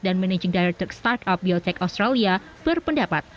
dan managing director startup biotech australia berpendapat